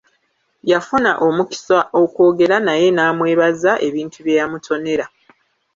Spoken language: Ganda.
Yafuna omukisa okwogera naye n'amwebaza ebintu bye yamutonera.